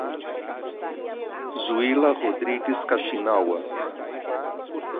Zuila Rodrigues Kaxinawa